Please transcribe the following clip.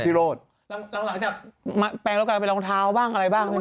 หลังจากแปลงแล้วกันเป็นรองเท้าบ้างอะไรบ้างด้วยเนอะ